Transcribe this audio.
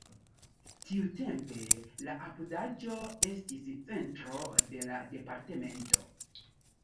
Tiutempe la apudaĵo estis centro de la departemento.